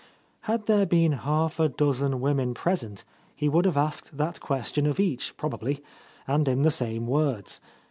Had there been half a dozen women present, he would have asked that question of each, probably, and in the same words.